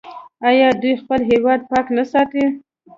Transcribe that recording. آیا دوی خپل هیواد پاک نه ساتي؟